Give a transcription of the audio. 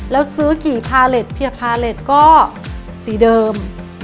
แล้วซื้อกี่พาเล็ตเพียพาเล็ตก็สีเดิม